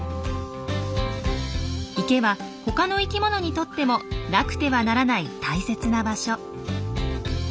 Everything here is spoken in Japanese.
池は他の生きものにとってもなくてはならない大切な場所。